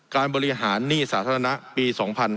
การบริหารหนี้สาธารณะปี๒๕๕๙